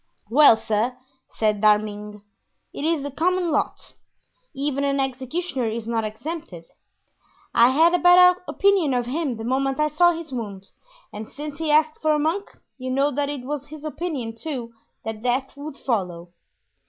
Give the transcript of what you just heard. "Well, sir," said D'Arminges, "it is the common lot; even an executioner is not exempted. I had a bad opinion of him the moment I saw his wound, and since he asked for a monk you know that it was his opinion, too, that death would follow."